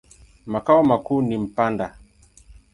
Makao makuu ni Mpanda.